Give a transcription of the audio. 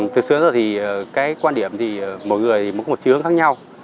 thực sự là cái quan điểm thì mỗi người có một chứa hướng khác nhau